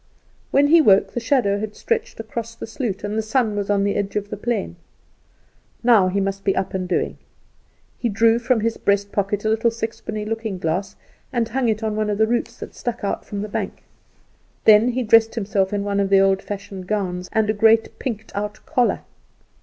When he woke the shadow had stretched across the sloot, and the sun was on the edge of the plain. Now he must be up and doing. He drew from his breast pocket a little sixpenny looking glass, and hung it on one of the roots that stuck out from the bank. Then he dressed himself in one of the old fashioned gowns and a great pinked out collar.